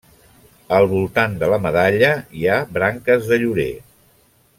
Al voltant de la medalla hi ha branques de llorer.